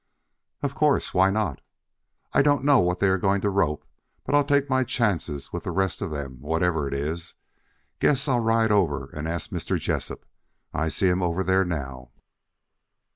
"Of course. Why not? I don't know what they are going to rope, but I'll take my chance with the rest of them whatever it is. Guess I'll ride over and ask Mr. Jessup. I see him over there now."